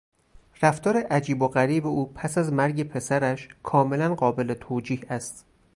رفتار عجیب و غریب او پس از مرگ پسرش کاملا قابل توجیه است.